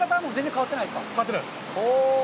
変わってないです。